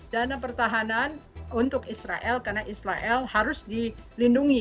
dana pertahanan untuk israel karena israel harus dilindungi